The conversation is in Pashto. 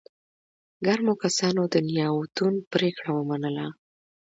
ګرمو کسانو د نياوتون پرېکړه ومنله.